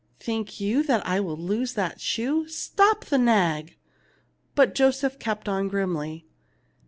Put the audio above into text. Think you I will lose that shoe ? Stop the nag." But Joseph kept on grimly.